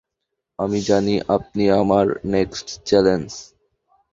আমি জানি আপনি আমার নেক্সট চ্যালেঞ্জ!